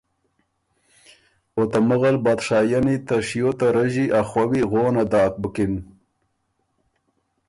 او ته مغل بادشائنی ته شیو ته رݫی ا خووی غونه داک بُکِن۔